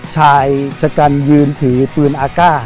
ชายชะกันยืนถือปืนอากาศ